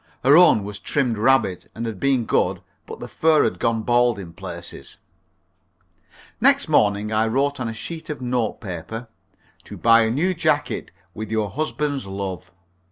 Her own was trimmed rabbit, and had been good, but the fur had gone bald in places. Next morning I wrote on a sheet of note paper, "To buy a new jacket. With your husband's love."